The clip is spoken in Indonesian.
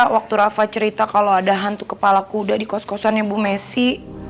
waktu rafa cerita kalau ada hantu kepala kuda di kos kosannya bu messi